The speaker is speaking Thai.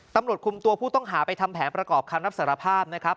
ตำรวจคุมตัวผู้ต้องหาไปทำแผนประกอบคำรับสารภาพนะครับ